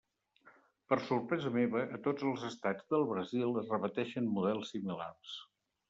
Per sorpresa meva, a tots els estats del Brasil es repeteixen models similars.